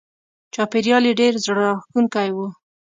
چاپېریال یې ډېر زړه راښکونکی و.